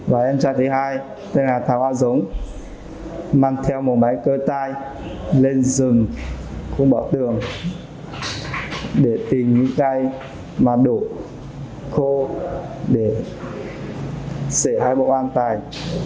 và em trai thứ hai tên là thảo a dũng mang theo một máy cơ tay lên rừng khu bảo tường để tìm cái mà đủ khô để xảy ra bộ an tài